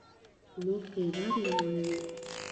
موږ بې لارې روان یو.